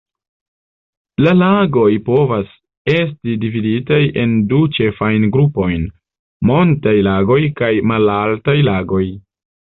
La lagoj povas esti dividitaj en du ĉefajn grupojn: montaj lagoj kaj malaltaj lagoj.